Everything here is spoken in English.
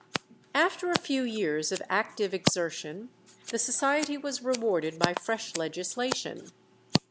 After a few years of active exertion the Society was rewarded by fresh legislation.